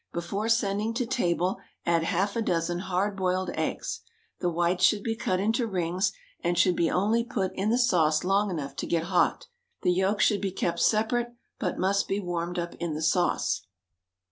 Before sending to table add half a dozen hard boiled eggs; the whites should be cut into rings, and should be only put into the sauce long enough to get hot; the yolks should be kept separate, but must be warmed up in the sauce.